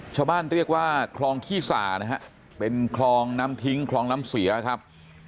ชาวบ้านเรียกว่าคลองขี้สานะฮะเป็นคลองน้ำทิ้งคลองน้ำเสียครับ